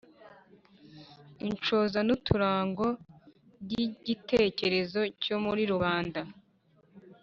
Inshoza n uturango by igitekerezo cyo muri rubanda